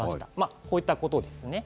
こういったことですね。